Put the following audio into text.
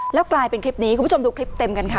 แล้วกลายเป็นคลิปนี้คุณผู้ชมดูคลิปเต็มกันค่ะ